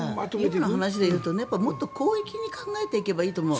今の話だともっと広域に考えていけばいいと思う。